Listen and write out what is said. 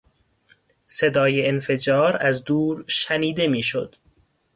صدای انفجار از دور شنیده میشد.